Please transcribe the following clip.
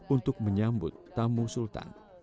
untuk menyambut tamu sultan